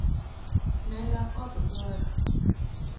Nera koth goyo